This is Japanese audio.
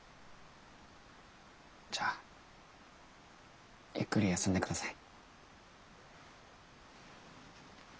じゃあゆっくり休んで下さい。